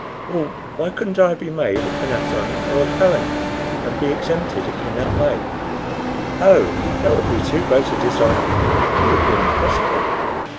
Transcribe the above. "Well, why couldn't I be made an Athon or a Kohen, and be exempted in that way?" "Oh, that would be too great a dishonor; it would be impossible.